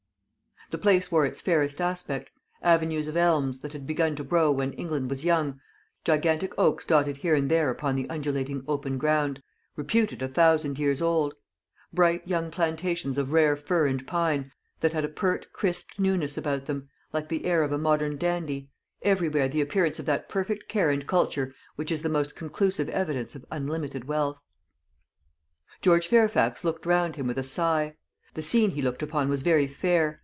The place wore its fairest aspect: avenues of elms, that had begun to grow when England was young; gigantic oaks dotted here and there upon the undulating open ground, reputed a thousand years old; bright young plantations of rare fir and pine, that had a pert crisp newness about them, like the air of a modern dandy; everywhere the appearance of that perfect care and culture which is the most conclusive evidence of unlimited wealth. George Fairfax looked round him with a sigh. The scene he looked upon was very fair.